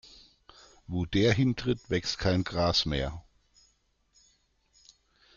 Wo der hintritt, wächst kein Gras mehr.